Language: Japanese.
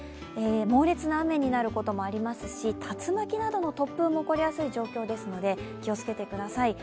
猛烈な雨になることもありますし、竜巻などの突風も起こりやすい状況ですので気をつけてください。